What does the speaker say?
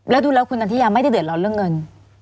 แล้วดูแล้วคุณนันทิยาไม่ได้เดือดร้อนเรื่องเงิน